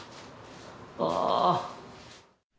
ああ。